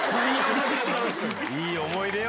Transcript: いい思い出よ